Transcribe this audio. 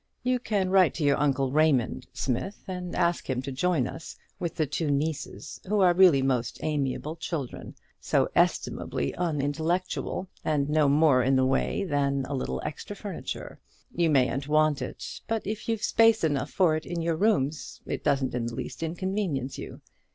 You can write to your uncle Raymond, Smith, and ask him to join us, with the two nieces, who are really most amiable children; so estimably unintellectual, and no more in the way than a little extra furniture: you mayn't want it; but if you've space enough for it in your rooms, it doesn't in the least inconvenience you.